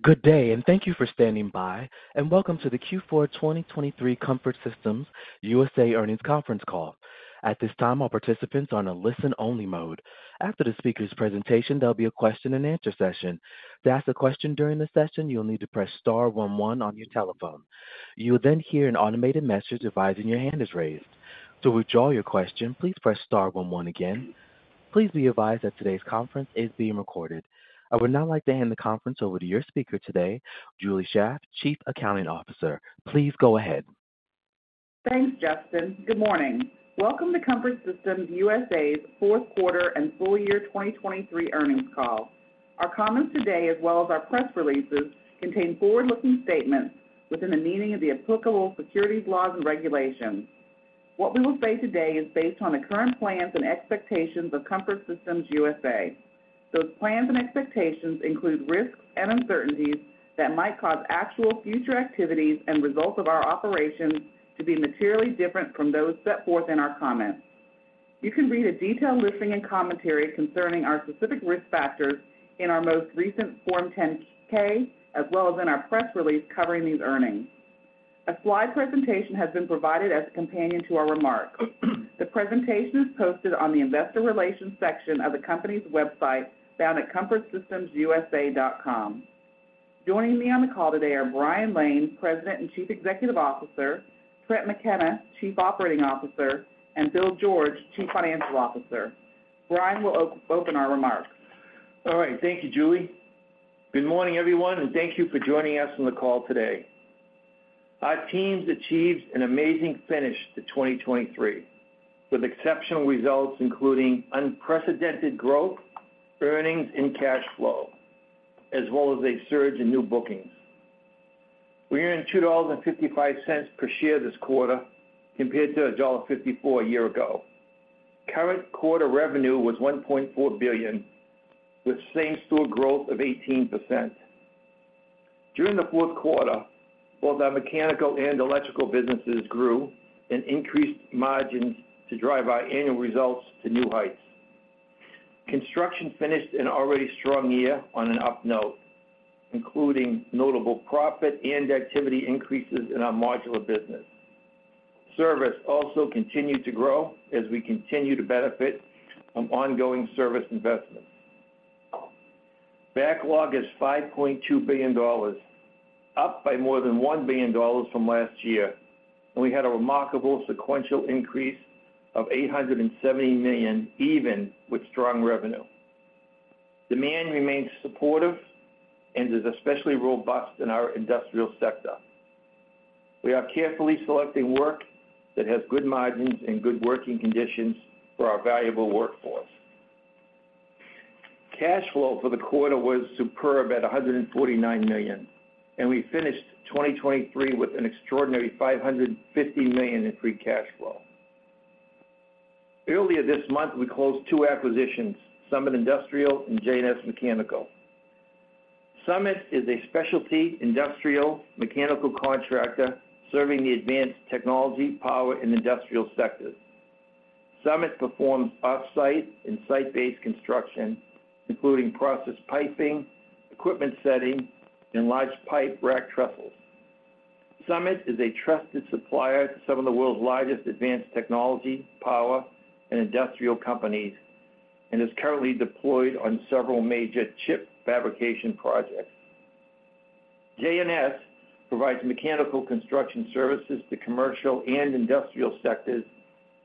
Good day, and thank you for standing by, and welcome to the Q4 2023 Comfort Systems USA earnings conference call. At this time, our participants are in a listen-only mode. After the speaker's presentation, there'll be a question-and-answer session. To ask a question during the session, you'll need to press star one one on your telephone. You will then hear an automated message advising your hand is raised. To withdraw your question, please press star one one again. Please be advised that today's conference is being recorded. I would now like to hand the conference over to your speaker today, Julie Shaeff, Chief Accounting Officer. Please go ahead. Thanks, Justin. Good morning. Welcome to Comfort Systems USA's fourth quarter and full year 2023 earnings call. Our comments today, as well as our press releases, contain forward-looking statements within the meaning of the applicable securities laws and regulations. What we will say today is based on the current plans and expectations of Comfort Systems USA. Those plans and expectations include risks and uncertainties that might cause actual future activities and results of our operations to be materially different from those set forth in our comments. You can read a detailed listing and commentary concerning our specific risk factors in our most recent Form 10-K, as well as in our press release covering these earnings. A slide presentation has been provided as a companion to our remarks. The presentation is posted on the Investor Relations section of the company's website found at comfortsystemsusa.com. Joining me on the call today are Brian Lane, President and Chief Executive Officer, Trent McKenna, Chief Operating Officer, and Bill George, Chief Financial Officer. Brian will open our remarks. All right. Thank you, Julie. Good morning, everyone, and thank you for joining us on the call today. Our team's achieved an amazing finish to 2023 with exceptional results including unprecedented growth, earnings, and cash flow, as well as a surge in new bookings. We earned $2.55 per share this quarter compared to $1.54 a year ago. Current quarter revenue was $1.4 billion, with same-store growth of 18%. During the fourth quarter, both our mechanical and electrical businesses grew and increased margins to drive our annual results to new heights. Construction finished an already strong year on an up note, including notable profit and activity increases in our modular business. Service also continued to grow as we continue to benefit from ongoing service investments. Backlog is $5.2 billion, up by more than $1 billion from last year, and we had a remarkable sequential increase of $870 million even with strong revenue. Demand remains supportive and is especially robust in our industrial sector. We are carefully selecting work that has good margins and good working conditions for our valuable workforce. Cash flow for the quarter was superb at $149 million, and we finished 2023 with an extraordinary $550 million in free cash flow. Earlier this month, we closed two acquisitions, Summit Industrial and J&S Mechanical. Summit is a specialty industrial mechanical contractor serving the advanced technology, power, and industrial sectors. Summit performs off-site and site-based construction, including process piping, equipment setting, and large pipe rack trusses. Summit is a trusted supplier to some of the world's largest advanced technology, power, and industrial companies and is currently deployed on several major chip fabrication projects. J&S provides mechanical construction services to commercial and industrial sectors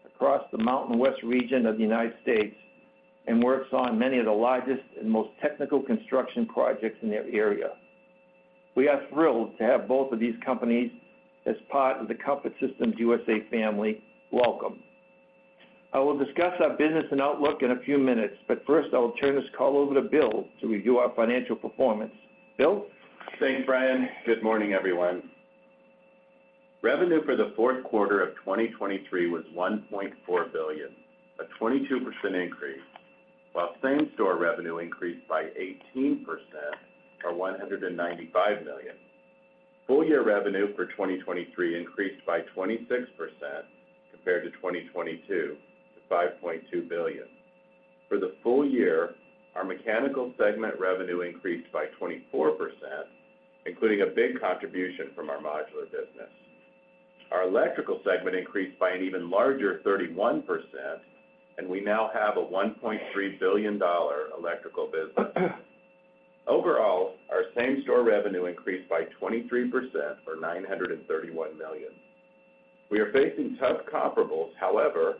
across the Mountain West region of the United States and works on many of the largest and most technical construction projects in their area. We are thrilled to have both of these companies as part of the Comfort Systems USA family. Welcome. I will discuss our business and outlook in a few minutes, but first I will turn this call over to Bill to review our financial performance. Bill? Thanks, Brian. Good morning, everyone. Revenue for the fourth quarter of 2023 was $1.4 billion, a 22% increase, while same-store revenue increased by 18% for $195 million. Full-year revenue for 2023 increased by 26% compared to 2022 to $5.2 billion. For the full year, our mechanical segment revenue increased by 24%, including a big contribution from our modular business. Our electrical segment increased by an even larger 31%, and we now have a $1.3 billion electrical business. Overall, our same-store revenue increased by 23% for $931 million. We are facing tough comparables; however,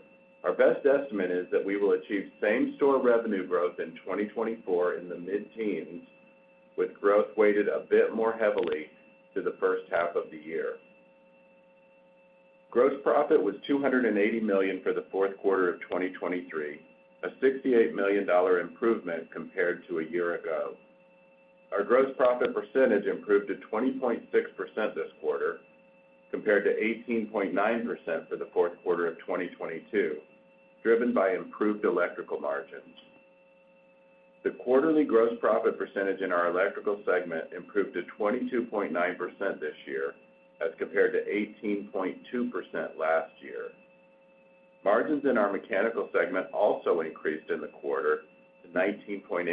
our best estimate is that we will achieve same-store revenue growth in 2024 in the mid-teens, with growth weighted a bit more heavily to the first half of the year. Gross profit was $280 million for the fourth quarter of 2023, a $68 million improvement compared to a year ago. Our gross profit percentage improved to 20.6% this quarter compared to 18.9% for the fourth quarter of 2022, driven by improved electrical margins. The quarterly gross profit percentage in our electrical segment improved to 22.9% this year as compared to 18.2% last year. Margins in our mechanical segment also increased in the quarter to 19.8%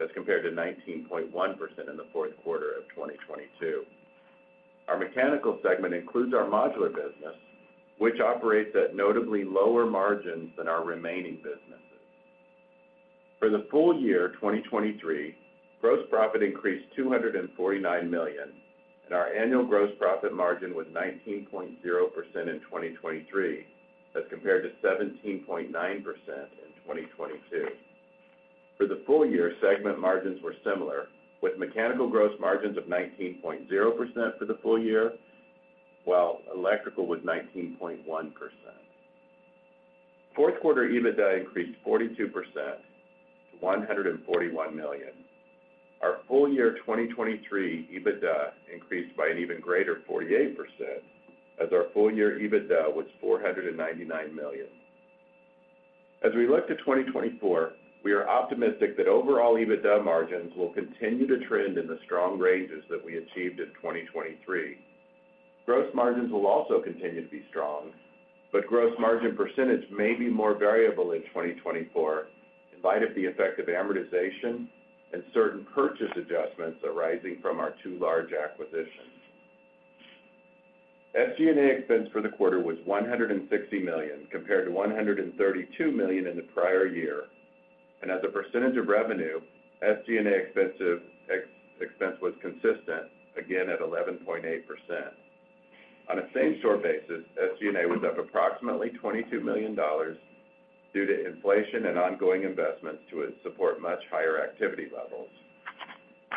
as compared to 19.1% in the fourth quarter of 2022. Our mechanical segment includes our modular business, which operates at notably lower margins than our remaining businesses. For the full year 2023, gross profit increased $249 million, and our annual gross profit margin was 19.0% in 2023 as compared to 17.9% in 2022. For the full year, segment margins were similar, with mechanical gross margins of 19.0% for the full year, while electrical was 19.1%. Fourth-quarter EBITDA increased 42% to $141 million. Our full year 2023 EBITDA increased by an even greater 48%, as our full year EBITDA was $499 million. As we look to 2024, we are optimistic that overall EBITDA margins will continue to trend in the strong ranges that we achieved in 2023. Gross margins will also continue to be strong, but gross margin percentage may be more variable in 2024 in light of the effect of amortization and certain purchase adjustments arising from our two large acquisitions. SG&A expense for the quarter was $160 million compared to $132 million in the prior year, and as a percentage of revenue, SG&A expense was consistent, again at 11.8%. On a same-store basis, SG&A was up approximately $22 million due to inflation and ongoing investments to support much higher activity levels.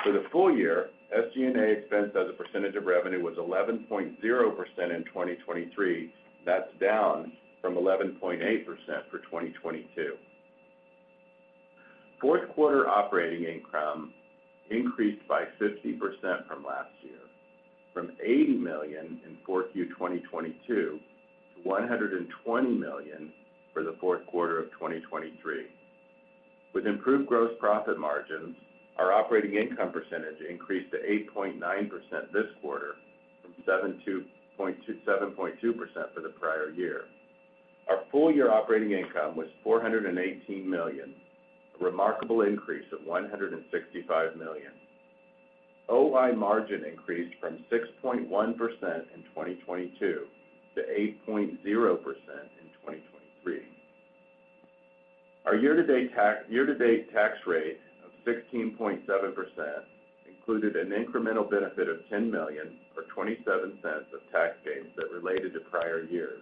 For the full year, SG&A expense as a percentage of revenue was 11.0% in 2023, and that's down from 11.8% for 2022. Fourth-quarter operating income increased by 50% from last year, from $80 million in 4Q 2022 to $120 million for the fourth quarter of 2023. With improved gross profit margins, our operating income percentage increased to 8.9% this quarter from 7.2% for the prior year. Our full-year operating income was $418 million, a remarkable increase of $165 million. OI margin increased from 6.1% in 2022 to 8.0% in 2023. Our year-to-date tax rate of 16.7% included an incremental benefit of $10.27 million of tax gains that related to prior years.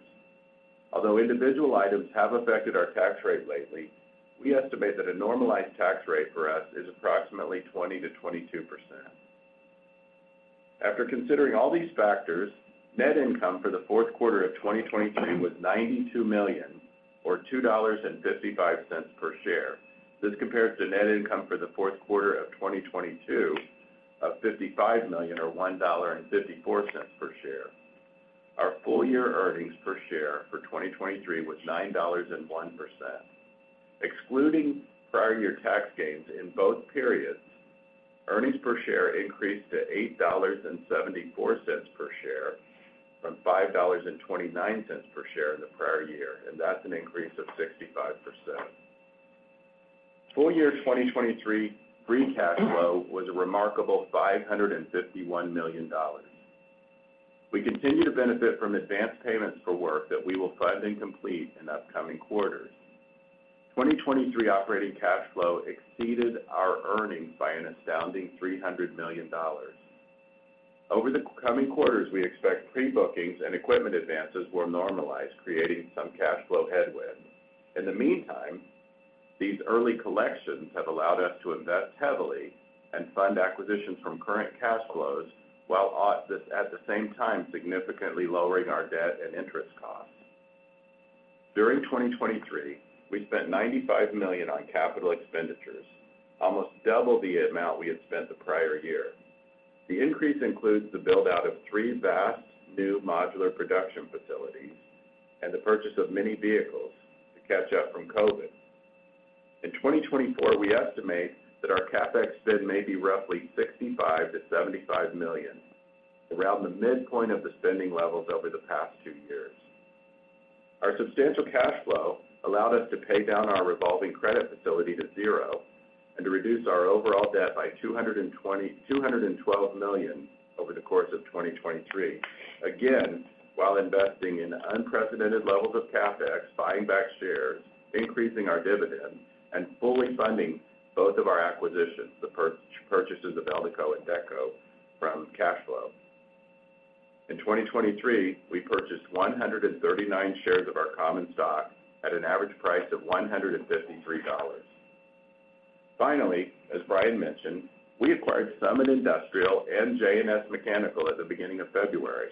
Although individual items have affected our tax rate lately, we estimate that a normalized tax rate for us is approximately 20%-22%. After considering all these factors, net income for the fourth quarter of 2023 was $92 million or $2.55 per share. This compares to net income for the fourth quarter of 2022 of $55 million or $1.54 per share. Our full-year earnings per share for 2023 was $9.01. Excluding prior-year tax gains in both periods, earnings per share increased to $8.74 per share from $5.29 per share in the prior year, and that's an increase of 65%. Full-year 2023 free cash flow was a remarkable $551 million. We continue to benefit from advance payments for work that we will fund and complete in upcoming quarters. 2023 operating cash flow exceeded our earnings by an astounding $300 million. Over the coming quarters, we expect pre-bookings and equipment advances will normalize, creating some cash flow headwinds In the meantime, these early collections have allowed us to invest heavily and fund acquisitions from current cash flows, while at the same time significantly lowering our debt and interest costs. During 2023, we spent $95 million on capital expenditures, almost double the amount we had spent the prior year. The increase includes the buildout of three vast new modular production facilities and the purchase of many vehicles to catch up from COVID. In 2024, we estimate that our CapEx spend may be roughly $65 million-$75 million, around the midpoint of the spending levels over the past two years. Our substantial cash flow allowed us to pay down our revolving credit facility to zero and to reduce our overall debt by $212 million over the course of 2023, again while investing in unprecedented levels of CapEx, buying back shares, increasing our dividends, and fully funding both of our acquisitions, the purchases of Eldeco and Amteck, from cash flow. In 2023, we purchased 139,000 shares of our common stock at an average price of $153. Finally, as Brian mentioned, we acquired Summit Industrial and J&S Mechanical at the beginning of February.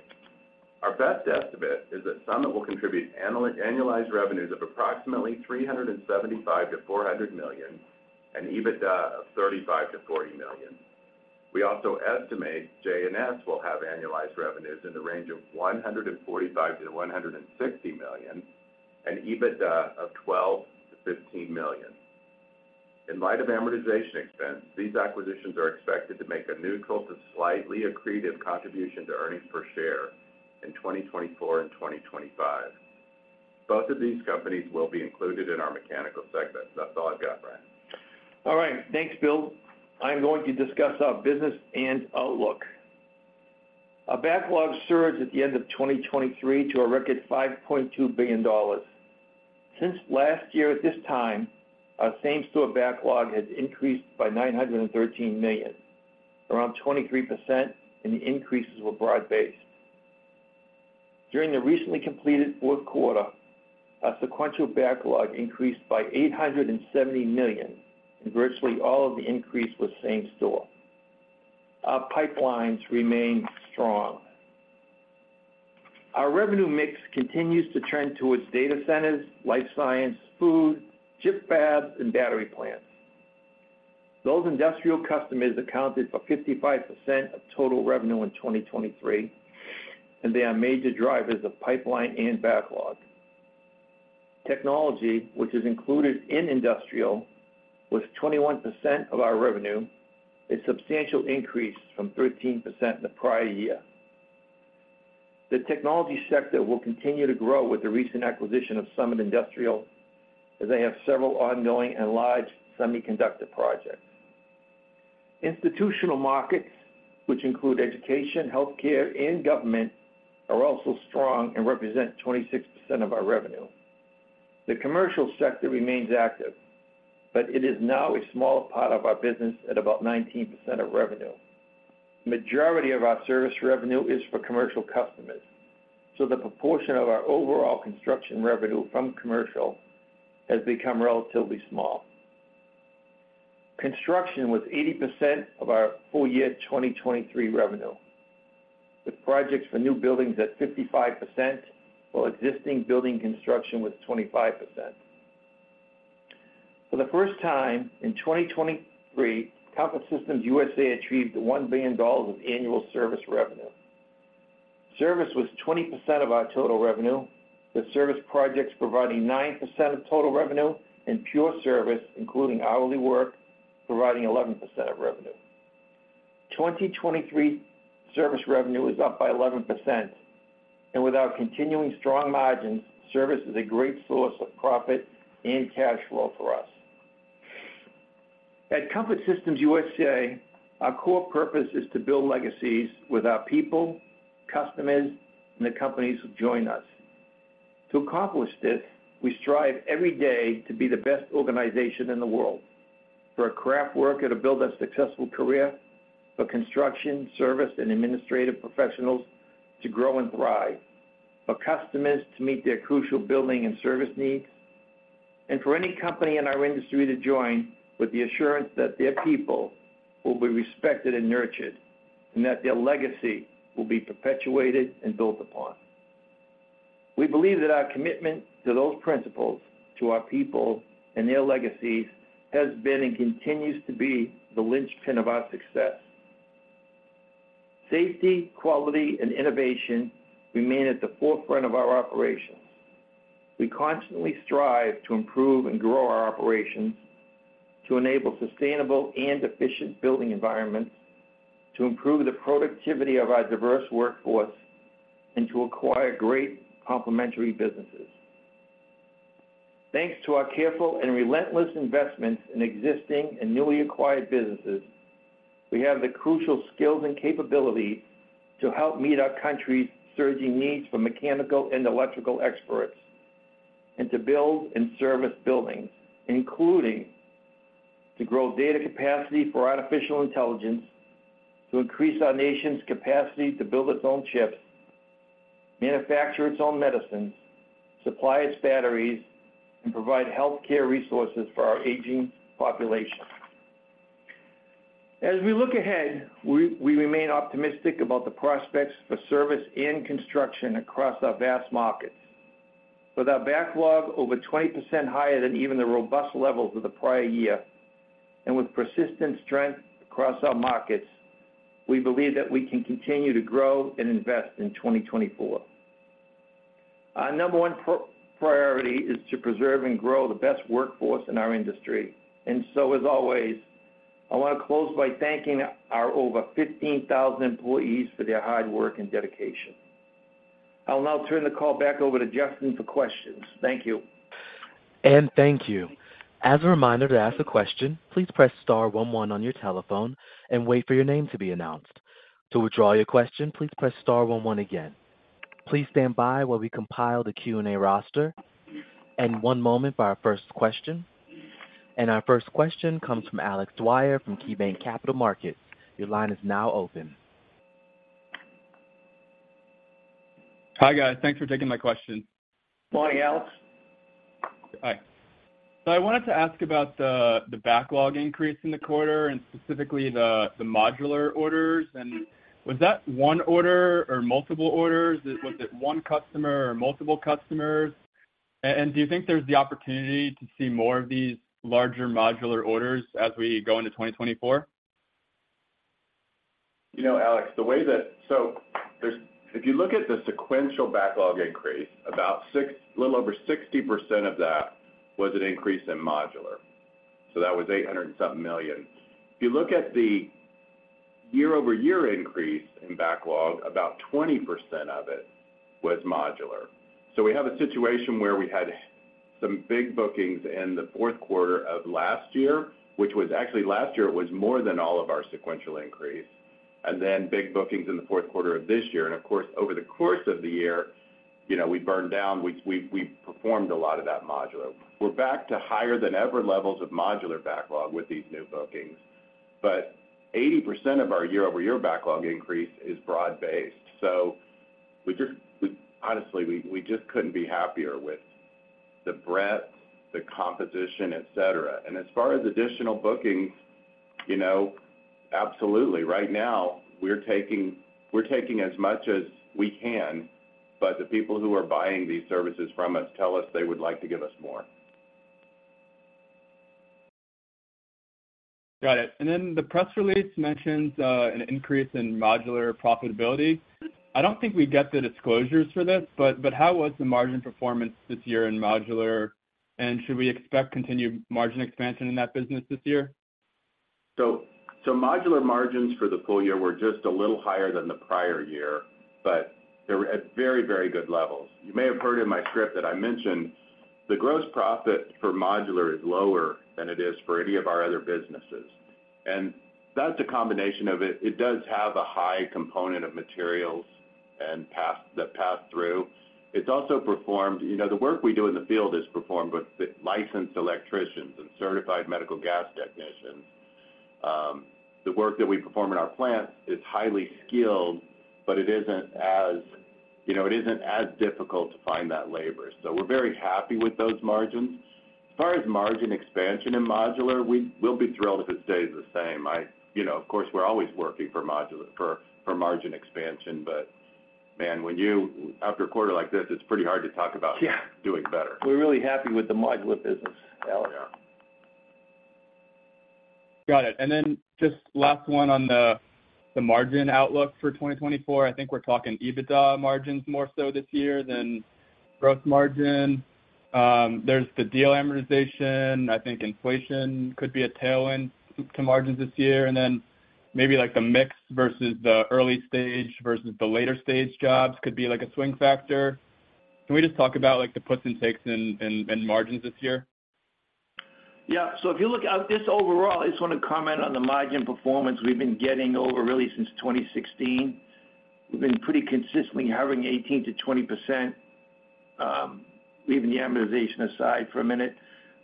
Our best estimate is that Summit will contribute annualized revenues of approximately $375 million-$400 million and EBITDA of $35 million-$40 million. We also estimate J&S will have annualized revenues in the range of $145 million-$160 million and EBITDA of $12 million-$15 million. In light of amortization expense, these acquisitions are expected to make a neutral to slightly accretive contribution to earnings per share in 2024 and 2025. Both of these companies will be included in our mechanical segment. That's all I've got, Brian. All right. Thanks, Bill. I'm going to discuss our business and outlook. Our backlog surge at the end of 2023 to a record $5.2 billion. Since last year at this time, our same-store backlog has increased by $913 million, around 23%, and the increases were broad-based. During the recently completed fourth quarter, our sequential backlog increased by $870 million, and virtually all of the increase was same-store. Our pipelines remain strong. Our revenue mix continues to trend towards data centers, life science, food, chip fabs, and battery plants. Those industrial customers accounted for 55% of total revenue in 2023, and they are major drivers of pipeline and backlog. Technology, which is included in industrial, was 21% of our revenue, a substantial increase from 13% in the prior year. The technology sector will continue to grow with the recent acquisition of Summit Industrial, as they have several ongoing and large semiconductor projects. Institutional markets, which include education, healthcare, and government, are also strong and represent 26% of our revenue. The commercial sector remains active, but it is now a smaller part of our business at about 19% of revenue. The majority of our service revenue is for commercial customers, so the proportion of our overall construction revenue from commercial has become relatively small. Construction was 80% of our full-year 2023 revenue, with projects for new buildings at 55% while existing building construction was 25%. For the first time in 2023, Comfort Systems USA achieved $1 billion of annual service revenue. Service was 20% of our total revenue, with service projects providing 9% of total revenue and pure service, including hourly work, providing 11% of revenue. 2023 service revenue is up by 11%, and without continuing strong margins, service is a great source of profit and cash flow for us. At Comfort Systems USA, our core purpose is to build legacies with our people, customers, and the companies who join us. To accomplish this, we strive every day to be the best organization in the world, for a craftworker to build a successful career, for construction, service, and administrative professionals to grow and thrive, for customers to meet their crucial building and service needs, and for any company in our industry to join with the assurance that their people will be respected and nurtured and that their legacy will be perpetuated and built upon. We believe that our commitment to those principles, to our people, and their legacies has been and continues to be the linchpin of our success. Safety, quality, and innovation remain at the forefront of our operations. We constantly strive to improve and grow our operations, to enable sustainable and efficient building environments, to improve the productivity of our diverse workforce, and to acquire great complementary businesses. Thanks to our careful and relentless investments in existing and newly acquired businesses, we have the crucial skills and capabilities to help meet our country's surging needs for mechanical and electrical experts and to build and service buildings, including to grow data capacity for artificial intelligence, to increase our nation's capacity to build its own chips, manufacture its own medicines, supply its batteries, and provide healthcare resources for our aging population. As we look ahead, we remain optimistic about the prospects for service and construction across our vast markets. With our backlog over 20% higher than even the robust levels of the prior year and with persistent strength across our markets, we believe that we can continue to grow and invest in 2024. Our number one priority is to preserve and grow the best workforce in our industry, and so, as always, I want to close by thanking our over 15,000 employees for their hard work and dedication. I'll now turn the call back over to Justin for questions. Thank you. Thank you. As a reminder to ask a question, please press star one one on your telephone and wait for your name to be announced. To withdraw your question, please press star one one again. Please stand by while we compile the Q&A roster. One moment for our first question. Our first question comes from Alex Dwyer from KeyBanc Capital Markets. Your line is now open. Hi guys. Thanks for taking my question. Morning Alex. Hi. So I wanted to ask about the backlog increase in the quarter and specifically the modular orders. And was that one order or multiple orders? Was it one customer or multiple customers? And do you think there's the opportunity to see more of these larger modular orders as we go into 2024? You know, Alex, the way that, so if you look at the sequential backlog increase, about a little over 60% of that was an increase in modular. So that was $800-something million. If you look at the year-over-year increase in backlog, about 20% of it was modular. So we have a situation where we had some big bookings in the fourth quarter of last year, which was actually, last year it was more than all of our sequential increase, and then big bookings in the fourth quarter of this year. And of course, over the course of the year, we burned down. We performed a lot of that modular. We're back to higher than ever levels of modular backlog with these new bookings, but 80% of our year-over-year backlog increase is broad-based. So honestly, we just couldn't be happier with the breadth, the composition, etc. As far as additional bookings, absolutely. Right now, we're taking as much as we can, but the people who are buying these services from us tell us they would like to give us more. Got it. And then the press release mentions an increase in modular profitability. I don't think we get the disclosures for this, but how was the margin performance this year in modular, and should we expect continued margin expansion in that business this year? So modular margins for the full year were just a little higher than the prior year, but they were at very, very good levels. You may have heard in my script that I mentioned the gross profit for modular is lower than it is for any of our other businesses. And that's a combination of it. It does have a high component of materials that pass through. It's also performed the work we do in the field is performed with licensed electricians and certified medical gas technicians. The work that we perform in our plants is highly skilled, but it isn't as difficult to find that labor. So we're very happy with those margins. As far as margin expansion in modular, we'll be thrilled if it stays the same. Of course, we're always working for margin expansion, but man, after a quarter like this, it's pretty hard to talk about doing better. We're really happy with the modular business, Alex. Got it. And then just last one on the margin outlook for 2024. I think we're talking EBITDA margins more so this year than gross margin. There's the deal amortization. I think inflation could be a tailwind to margins this year. And then maybe the mix versus the early stage versus the later stage jobs could be a swing factor. Can we just talk about the puts and takes in margins this year? Yeah. So if you look just overall, I just want to comment on the margin performance we've been getting over really since 2016. We've been pretty consistently hovering 18%-20%, leaving the amortization aside for a minute.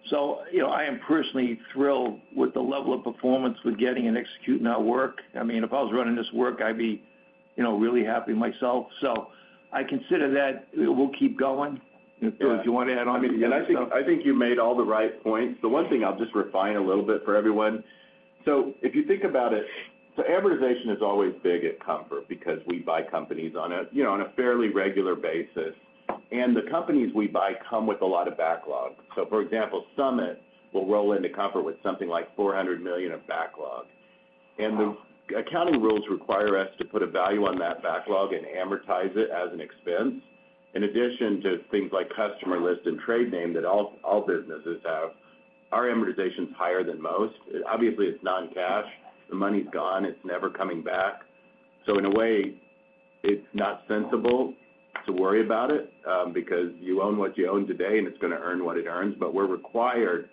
So I am personally thrilled with the level of performance we're getting and executing our work. I mean, if I was running this work, I'd be really happy myself. So I consider that we'll keep going. So if you want to add on anything else. Yeah. I think you made all the right points. The one thing I'll just refine a little bit for everyone. So if you think about it, so amortization is always big at Comfort because we buy companies on a fairly regular basis, and the companies we buy come with a lot of backlog. So for example, Summit will roll into Comfort with something like $400 million of backlog. And the accounting rules require us to put a value on that backlog and amortize it as an expense. In addition to things like customer list and trade name that all businesses have, our amortization is higher than most. Obviously, it's non-cash. The money's gone. It's never coming back. So in a way, it's not sensible to worry about it because you own what you own today, and it's going to earn what it earns. But we're required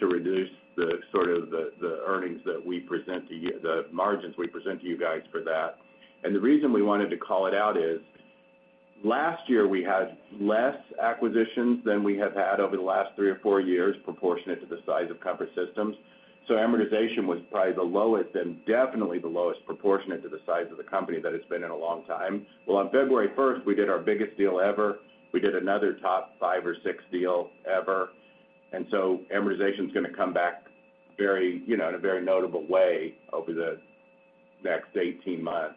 to reduce the sort of the earnings that we present to you the margins we present to you guys for that. And the reason we wanted to call it out is last year we had less acquisitions than we have had over the last three or four years, proportionate to the size of Comfort Systems. So amortization was probably the lowest and definitely the lowest proportionate to the size of the company that it's been in a long time. Well, on February 1st, we did our biggest deal ever. We did another top five or six deal ever. And so amortization is going to come back in a very notable way over the next 18 months.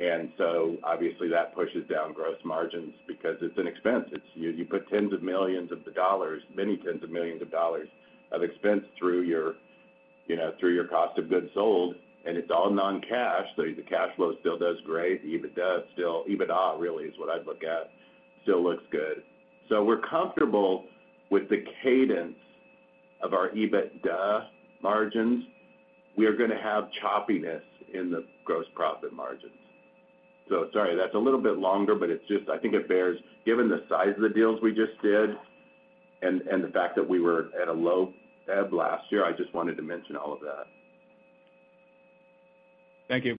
And so obviously, that pushes down gross margins because it's an expense. You put 10s of millions of dollars, many 10s of millions of dollars of expense through your cost of goods sold, and it's all non-cash. So the cash flow still does great. The EBITDA really is what I'd look at. Still looks good. So we're comfortable with the cadence of our EBITDA margins. We are going to have choppiness in the gross profit margins. So sorry, that's a little bit longer, but it's just I think it bears given the size of the deals we just did and the fact that we were at a low ebb last year, I just wanted to mention all of that. Thank you.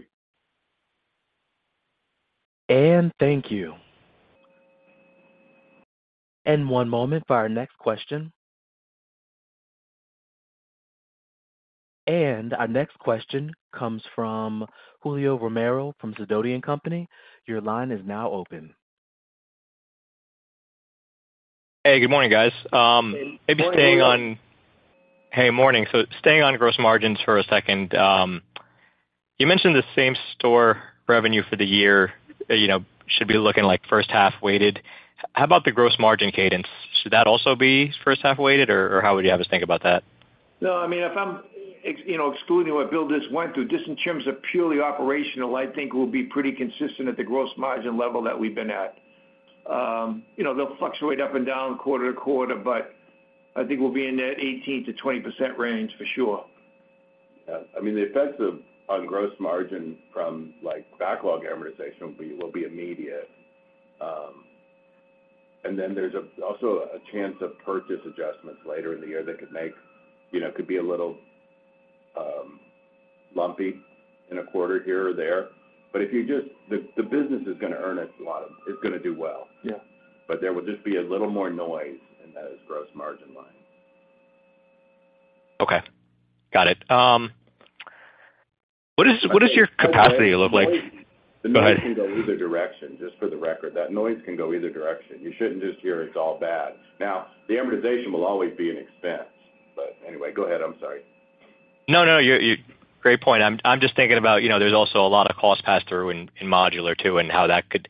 Thank you. One moment for our next question. Our next question comes from Julio Romero from Sidoti & Company. Your line is now open. Hey, good morning, guys. Maybe staying on. Good morning. Hey, morning. So staying on gross margins for a second. You mentioned the same store revenue for the year should be looking like first half weighted. How about the gross margin cadence? Should that also be first half weighted, or how would you have us think about that? No, I mean, if I'm excluding what Bill just went through, just in terms of purely operational, I think we'll be pretty consistent at the gross margin level that we've been at. They'll fluctuate up and down quarter to quarter, but I think we'll be in that 18%-20% range for sure. Yeah. I mean, the effects on gross margin from backlog amortization will be immediate. And then there's also a chance of purchase adjustments later in the year that could make could be a little lumpy in a quarter here or there. But the business is going to earn it. A lot of it's going to do well. But there will just be a little more noise in that gross margin line. Okay. Got it. What does your capacity look like? The noise can go either direction, just for the record. That noise can go either direction. You shouldn't just hear it's all bad. Now, the amortization will always be an expense. But anyway, go ahead. I'm sorry. No, no, no. Great point. I'm just thinking about there's also a lot of cost pass-through in modular too and how that could,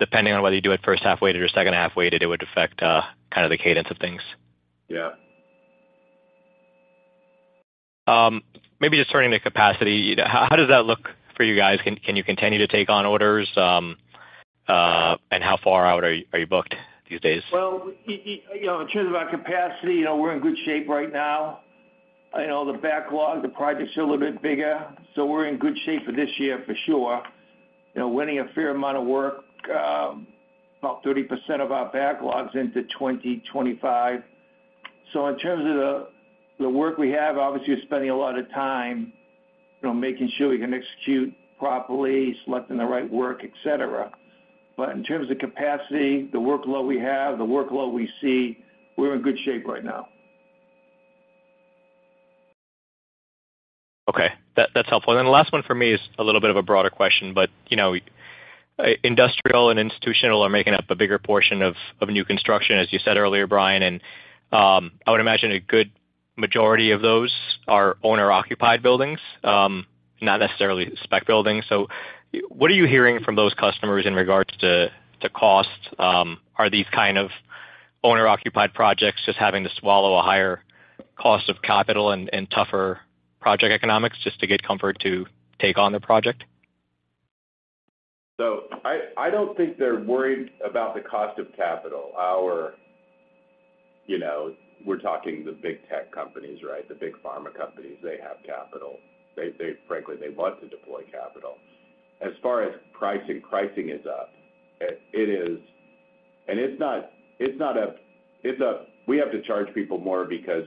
depending on whether you do it first half weighted or second half weighted, affect kind of the cadence of things. Yeah. Maybe just turning to capacity, how does that look for you guys? Can you continue to take on orders? And how far out are you booked these days? Well, in terms of our capacity, we're in good shape right now. The backlog, the project's a little bit bigger. So we're in good shape for this year for sure, winning a fair amount of work, about 30% of our backlogs into 2025. So in terms of the work we have, obviously, we're spending a lot of time making sure we can execute properly, selecting the right work, etc. But in terms of capacity, the workload we have, the workload we see, we're in good shape right now. Okay. That's helpful. Then the last one for me is a little bit of a broader question, but industrial and institutional are making up a bigger portion of new construction, as you said earlier, Brian. I would imagine a good majority of those are owner-occupied buildings, not necessarily spec buildings. What are you hearing from those customers in regards to cost? Are these kind of owner-occupied projects just having to swallow a higher cost of capital and tougher project economics just to get Comfort to take on the project? So, I don't think they're worried about the cost of capital. We're talking the big tech companies, right? The big pharma companies, they have capital. Frankly, they want to deploy capital. As far as pricing, pricing is up. And it's not a we have to charge people more because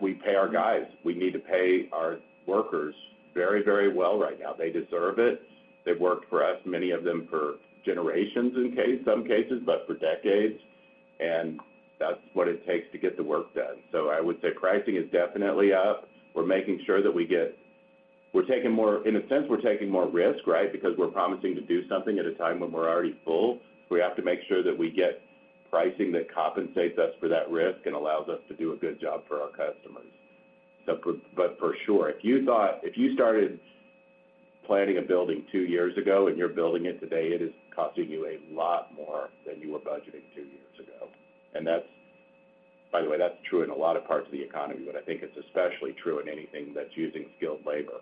we pay our guys. We need to pay our workers very, very well right now. They deserve it. They've worked for us, many of them for generations in some cases, but for decades. And that's what it takes to get the work done. So I would say pricing is definitely up. We're making sure that we get in a sense, we're taking more risk, right, because we're promising to do something at a time when we're already full. We have to make sure that we get pricing that compensates us for that risk and allows us to do a good job for our customers. But for sure, if you thought you started planning a building two years ago and you're building it today, it is costing you a lot more than you were budgeting two years ago. And by the way, that's true in a lot of parts of the economy, but I think it's especially true in anything that's using skilled labor.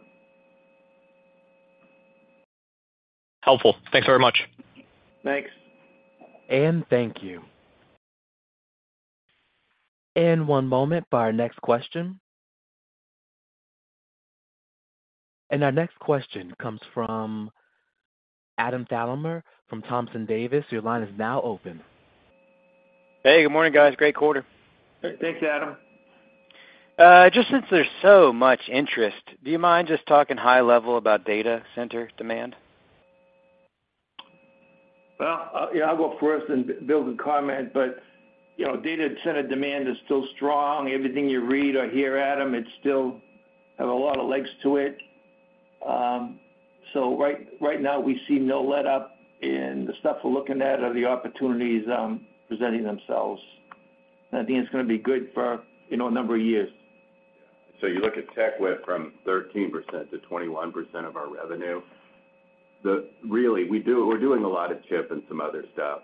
Helpful. Thanks very much. Thanks. Thank you. One moment for our next question. Our next question comes from Adam Thalhimer from Thompson Davis. Your line is now open. Hey, good morning, guys. Great quarter. Thanks, Adam. Just since there's so much interest, do you mind just talking high level about data center demand? Well, I'll go first and build a comment, but data center demand is still strong. Everything you read or hear, Adam, it still has a lot of legs to it. So right now, we see no letup in the stuff we're looking at or the opportunities presenting themselves. And I think it's going to be good for a number of years. Yeah. So you look at tech went from 13% to 21% of our revenue. Really, we're doing a lot of chip and some other stuff,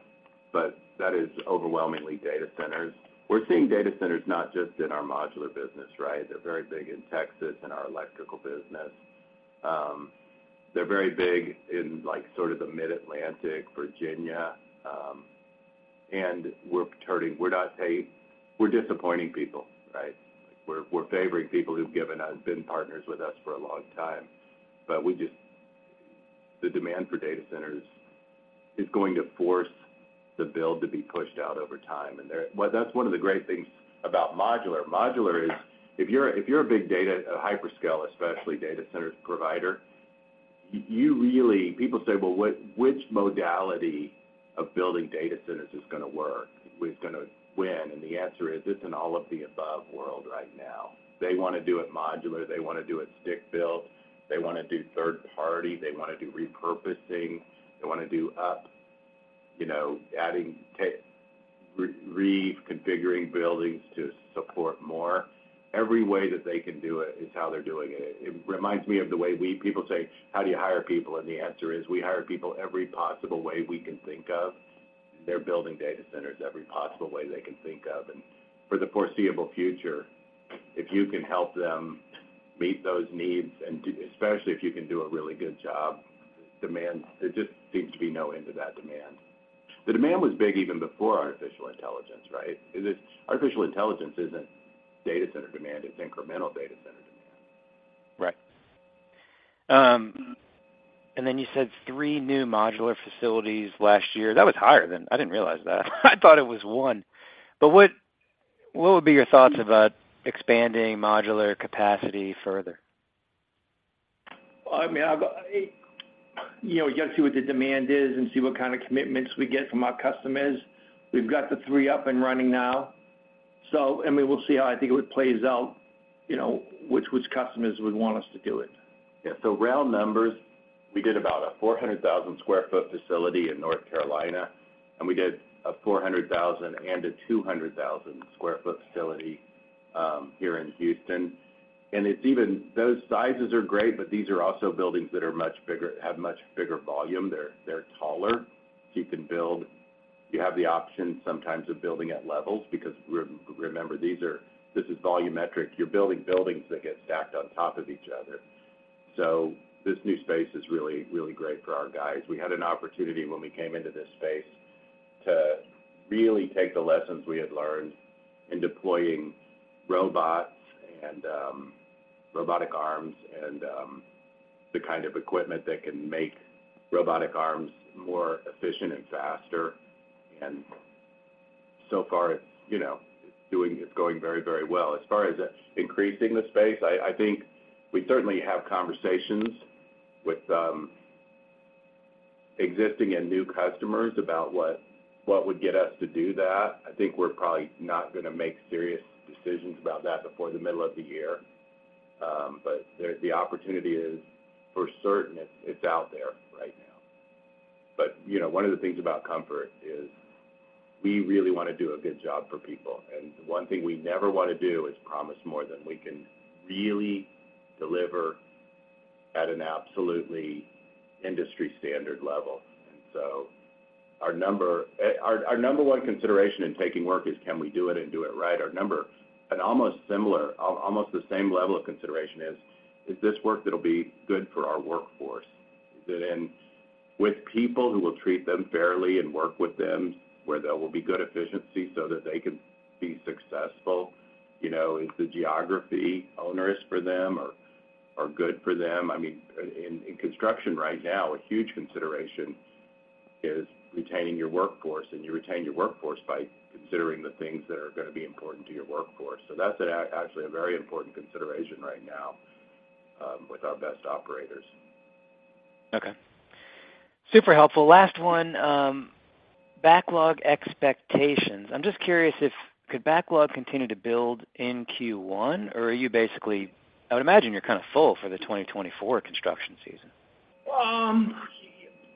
but that is overwhelmingly data centers. We're seeing data centers not just in our modular business, right? They're very big in Texas and our electrical business. They're very big in sort of the Mid-Atlantic, Virginia. And we're not paying we're disappointing people, right? We're favoring people who've been partners with us for a long time. But the demand for data centers is going to force the build to be pushed out over time. And that's one of the great things about modular. Modular is if you're a big data, a hyperscale, especially data center provider, people say, "Well, which modality of building data centers is going to work? Who's going to win?" And the answer is it's in all of the above world right now. They want to do it modular. They want to do it stick-built. They want to do third-party. They want to do repurposing. They want to do up, adding, reconfiguring buildings to support more. Every way that they can do it is how they're doing it. It reminds me of the way we people say, "How do you hire people?" And the answer is we hire people every possible way we can think of. And they're building data centers every possible way they can think of. And for the foreseeable future, if you can help them meet those needs, and especially if you can do a really good job, there just seems to be no end to that demand. The demand was big even before artificial intelligence, right? Artificial intelligence isn't data center demand. It's incremental data center demand. Right. And then you said three new modular facilities last year. That was higher than. I didn't realize that. I thought it was one. But what would be your thoughts about expanding modular capacity further? Well, I mean, we got to see what the demand is and see what kind of commitments we get from our customers. We've got the three up and running now. We'll see how I think it would play out, which customers would want us to do it. Yeah. So round numbers, we did about a 400,000 sq ft facility in North Carolina, and we did a 400,000 and a 200,000 sq ft facility here in Houston. And those sizes are great, but these are also buildings that have much bigger volume. They're taller. So you have the option sometimes of building at levels because remember, this is volumetric. You're building buildings that get stacked on top of each other. So this new space is really, really great for our guys. We had an opportunity when we came into this space to really take the lessons we had learned in deploying robots and robotic arms and the kind of equipment that can make robotic arms more efficient and faster. And so far, it's going very, very well. As far as increasing the space, I think we certainly have conversations with existing and new customers about what would get us to do that. I think we're probably not going to make serious decisions about that before the middle of the year. But the opportunity is for certain; it's out there right now. But one of the things about Comfort is we really want to do a good job for people. And one thing we never want to do is promise more than we can really deliver at an absolutely industry-standard level. And so our number one consideration in taking work is, "Can we do it and do it right?" And almost the same level of consideration is, "Is this work that'll be good for our workforce? Is it with people who will treat them fairly and work with them where there will be good efficiency so that they can be successful? Is the geography onerous for them or good for them?" I mean, in construction right now, a huge consideration is retaining your workforce. And you retain your workforce by considering the things that are going to be important to your workforce. So that's actually a very important consideration right now with our best operators. Okay. Super helpful. Last one, backlog expectations. I'm just curious if could backlog continue to build in Q1, or are you basically, I would imagine, you're kind of full for the 2024 construction season.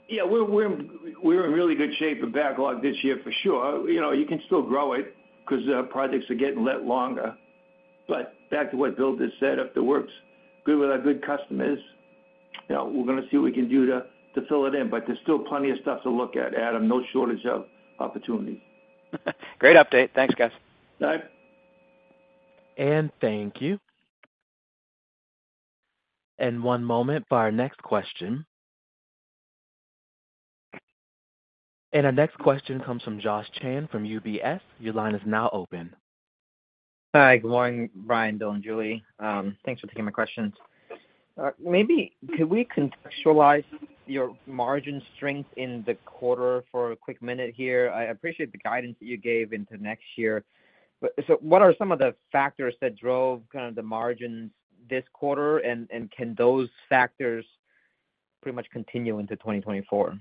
Yeah, we're in really good shape with backlog this year for sure. You can still grow it because projects are getting let longer. But back to what Bill just said, if the work's good with our good customers, we're going to see what we can do to fill it in. But there's still plenty of stuff to look at, Adam. No shortage of opportunities. Great update. Thanks, guys. All right. Thank you. One moment for our next question. Our next question comes from Josh Chan from UBS. Your line is now open. Hi. Good morning, Brian, Bill, and Julie. Thanks for taking my questions. Could we contextualize your margin strength in the quarter for a quick minute here? I appreciate the guidance that you gave into next year. So what are some of the factors that drove kind of the margins this quarter, and can those factors pretty much continue into 2024?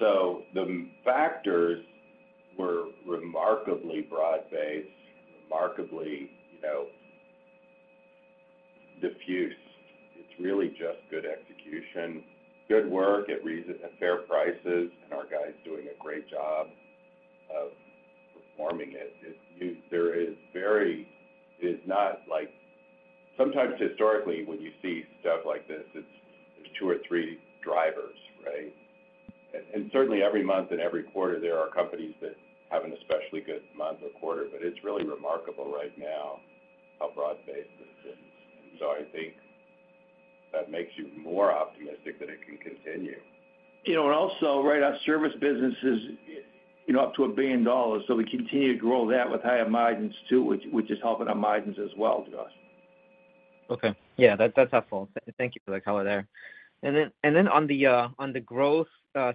So the factors were remarkably broad-based, remarkably diffuse. It's really just good execution, good work at fair prices, and our guy's doing a great job of performing it. It is not like sometimes, historically, when you see stuff like this, there's two or three drivers, right? And certainly, every month and every quarter, there are companies that have an especially good month or quarter. But it's really remarkable right now how broad-based this is. And so I think that makes you more optimistic that it can continue. And also, right, our service business is up to $1 billion. So we continue to grow that with higher margins too, which is helping our margins as well, Josh. Okay. Yeah, that's helpful. Thank you for that color there. And then on the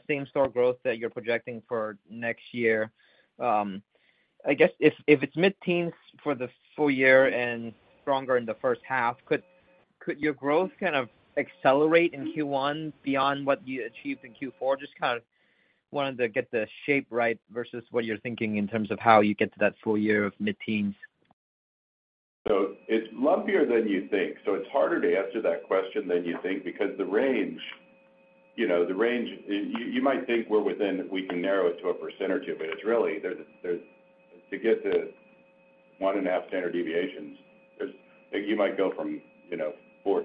same-store growth that you're projecting for next year, I guess if it's mid-teens for the full year and stronger in the first half, could your growth kind of accelerate in Q1 beyond what you achieved in Q4? Just kind of wanted to get the shape right versus what you're thinking in terms of how you get to that full year of mid-teens. So it's lumpier than you think. So it's harder to answer that question than you think because the range you might think we're within we can narrow it to 1% or 2%, but it's really to get to one and a half standard deviations, you might go from 14%-23% or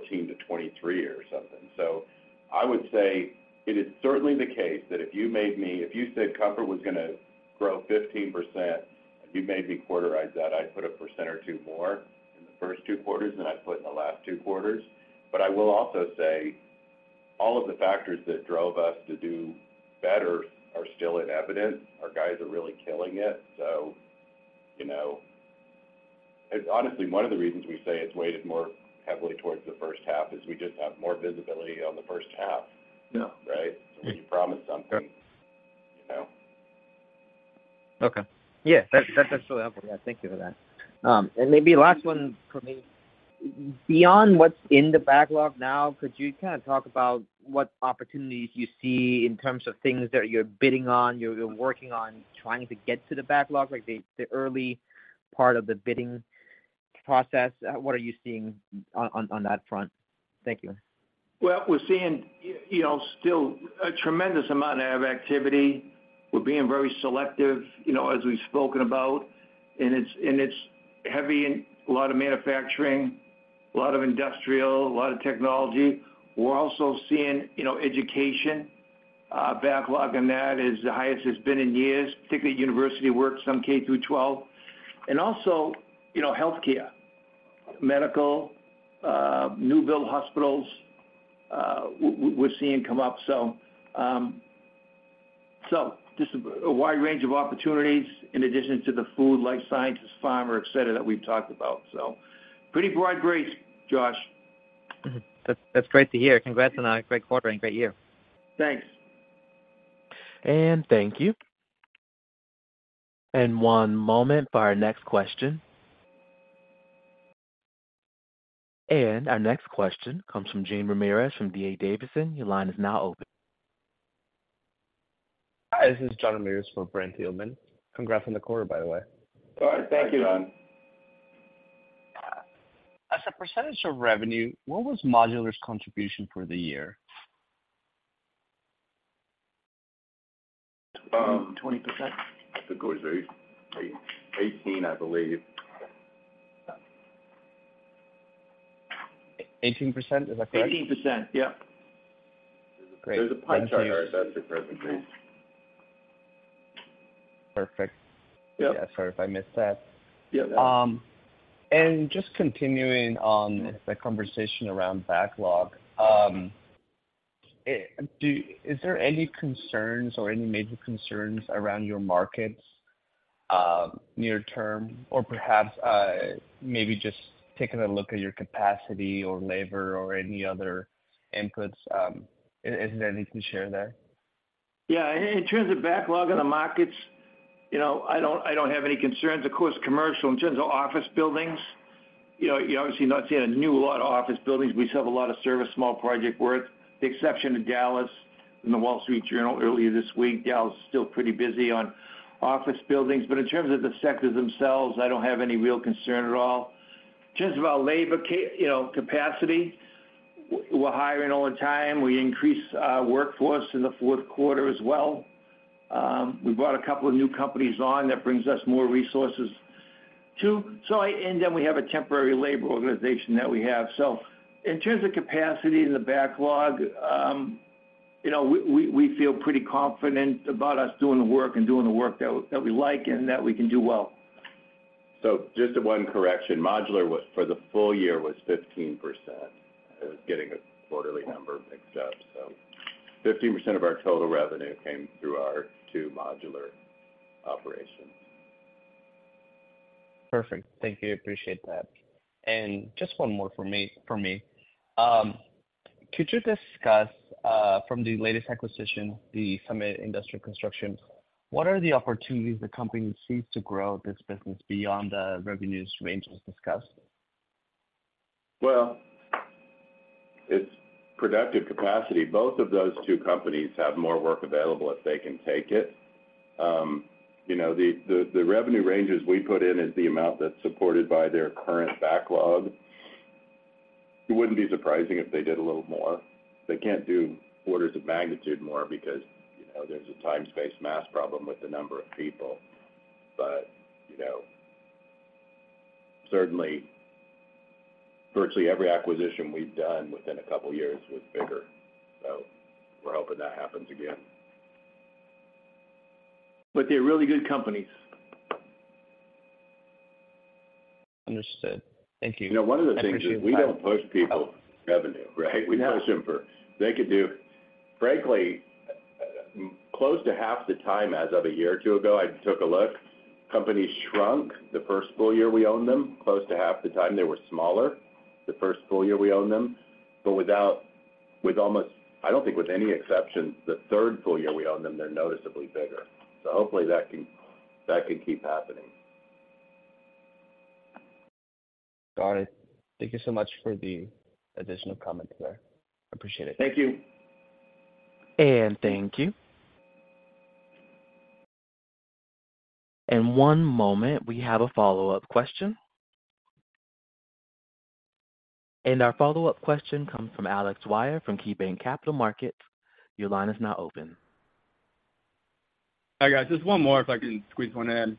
something. So I would say it is certainly the case that if you made me if you said Comfort was going to grow 15%, and you made me quarterize that, I'd put 1% or 2% more in the first two quarters than I'd put in the last two quarters. But I will also say all of the factors that drove us to do better are still in evidence. Our guys are really killing it. So honestly, one of the reasons we say it's weighted more heavily towards the first half is we just have more visibility on the first half, right? So when you promise something. Okay. Yeah, that's absolutely helpful. Yeah, thank you for that. And maybe last one for me. Beyond what's in the backlog now, could you kind of talk about what opportunities you see in terms of things that you're bidding on, you're working on trying to get to the backlog, the early part of the bidding process? What are you seeing on that front? Thank you. Well, we're seeing still a tremendous amount of activity. We're being very selective, as we've spoken about. And it's heavy in a lot of manufacturing, a lot of industrial, a lot of technology. We're also seeing education. Backlog on that is the highest it's been in years, particularly university work, some K-12. And also healthcare, medical, new-built hospitals, we're seeing come up. So just a wide range of opportunities in addition to the food, life sciences, pharma, etc., that we've talked about. So pretty broad grades, Josh. That's great to hear. Congrats on a great quarter and great year. Thanks. Thank you. One moment for our next question. Our next question comes from Jean Ramirez from D.A. Davidson. Your line is now open. Hi, this is Jean Ramirez for Brent Thielman. Congrats on the quarter, by the way. All right. Thank you. Hi, Jean. As a percentage of revenue, what was Modular's contribution for the year? 20%? The quarter's 18%, I believe. 18%? Is that correct? 18%. Yep. There's a pie chart there. That's the presentation. Perfect. Yeah, sorry if I missed that. And just continuing on the conversation around backlog, is there any concerns or any major concerns around your markets near-term or perhaps maybe just taking a look at your capacity or labor or any other inputs? Is there anything to share there? Yeah. In terms of backlog on the markets, I don't have any concerns. Of course, commercial, in terms of office buildings, you obviously not seeing a new lot of office buildings. We sell a lot of service, small project worth, the exception of Dallas in The Wall Street Journal earlier this week. Dallas is still pretty busy on office buildings. But in terms of the sectors themselves, I don't have any real concern at all. In terms of our labor capacity, we're hiring all the time. We increased our workforce in the fourth quarter as well. We brought a couple of new companies on. That brings us more resources too. And then we have a temporary labor organization that we have. In terms of capacity and the backlog, we feel pretty confident about us doing the work and doing the work that we like and that we can do well. Just one correction. Modular, for the full year, was 15%. I was getting a quarterly number mixed up. 15% of our total revenue came through our two modular operations. Perfect. Thank you. I appreciate that. Just one more for me. Could you discuss, from the latest acquisition, the Summit Industrial Construction, what are the opportunities the company sees to grow this business beyond the revenues range was discussed? Well, it's productive capacity. Both of those two companies have more work available if they can take it. The revenue ranges we put in is the amount that's supported by their current backlog. It wouldn't be surprising if they did a little more. They can't do orders of magnitude more because there's a time-space-mass problem with the number of people. But certainly, virtually every acquisition we've done within a couple of years was bigger. So we're hoping that happens again. But they're really good companies. Understood. Thank you. One of the things is we don't push people for revenue, right? We push them for they could do frankly, close to half the time as of a year or two ago. I took a look. Companies shrunk the first full year we owned them. Close to half the time, they were smaller the first full year we owned them. But with almost I don't think with any exceptions, the third full year we owned them, they're noticeably bigger. So hopefully, that can keep happening. Got it. Thank you so much for the additional comments there. Appreciate it. Thank you. Thank you. One moment. We have a follow-up question. Our follow-up question comes from Alex Dwyer from KeyBanc Capital Markets. Your line is now open. Hi, guys. Just one more if I can squeeze one in.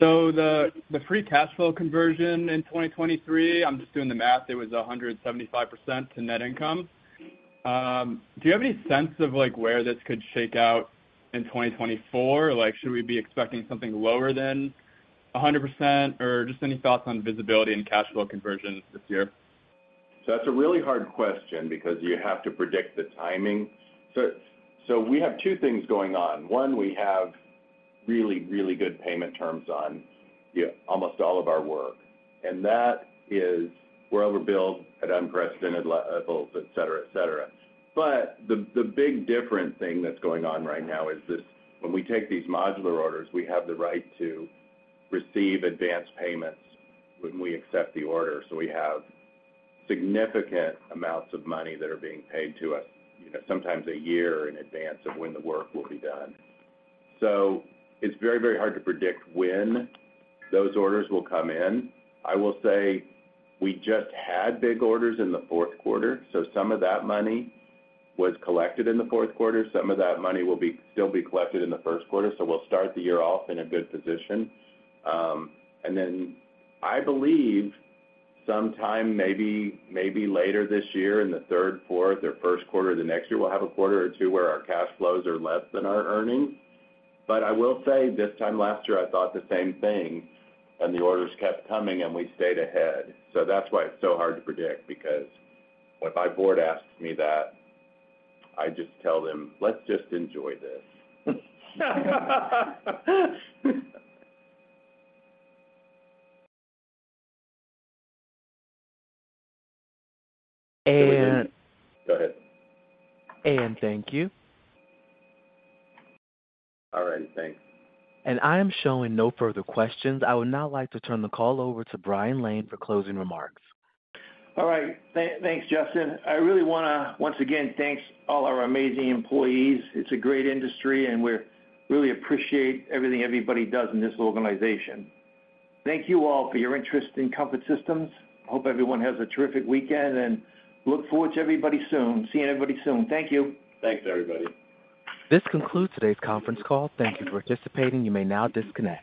So the free cash flow conversion in 2023, I'm just doing the math. It was 175% to net income. Do you have any sense of where this could shake out in 2024? Should we be expecting something lower than 100%, or just any thoughts on visibility and cash flow conversion this year? So that's a really hard question because you have to predict the timing. So we have two things going on. One, we have really, really good payment terms on almost all of our work. And that is we're overbilled at unprecedented levels, etc., etc. But the big different thing that's going on right now is when we take these modular orders, we have the right to receive advance payments when we accept the order. So we have significant amounts of money that are being paid to us sometimes a year in advance of when the work will be done. So it's very, very hard to predict when those orders will come in. I will say we just had big orders in the fourth quarter. So some of that money was collected in the fourth quarter. Some of that money will still be collected in the first quarter. So we'll start the year off in a good position. Then I believe sometime maybe later this year in the third, fourth, or first quarter of the next year, we'll have a quarter or two where our cash flows are less than our earnings. But I will say this time last year, I thought the same thing, and the orders kept coming, and we stayed ahead. So that's why it's so hard to predict because if my Board asks me that, I just tell them, "Let's just enjoy this. And. Go ahead. Thank you. All righty. Thanks. I am showing no further questions. I would now like to turn the call over to Brian Lane for closing remarks. All right. Thanks, Justin. I really want to once again thank all our amazing employees. It's a great industry, and we really appreciate everything everybody does in this organization. Thank you all for your interest in Comfort Systems. Hope everyone has a terrific weekend and look forward to seeing everybody soon. Thank you. Thanks, everybody. This concludes today's conference call. Thank you for participating. You may now disconnect.